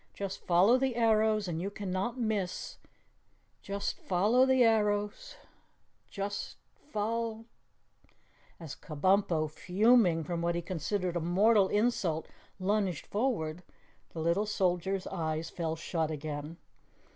"Just follow the arrows and you cannot miss just follow the arrows just fol " As Kabumpo, fuming from what he considered a mortal insult, lunged forward, the little soldier's eyes fell shut again.